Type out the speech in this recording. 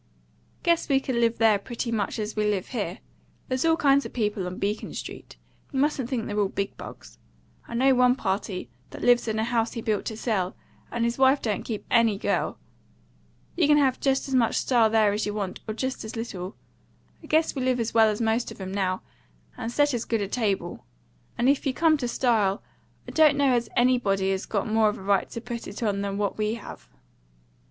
"Guess we could live there pretty much as we live here. There's all kinds of people on Beacon Street; you mustn't think they're all big bugs. I know one party that lives in a house he built to sell, and his wife don't keep any girl. You can have just as much style there as you want, or just as little. I guess we live as well as most of 'em now, and set as good a table. And if you come to style, I don't know as anybody has got more of a right to put it on than what we have."